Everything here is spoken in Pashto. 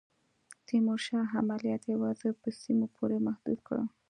تیمورشاه عملیات یوازي په سیمو پوري محدود کړل.